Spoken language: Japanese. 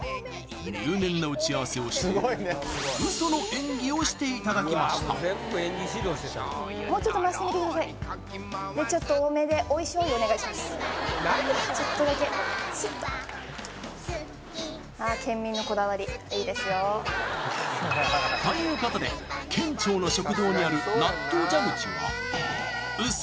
入念な打ち合わせをしてウソの演技をしていただきましたちょっとだけすっとということでウソ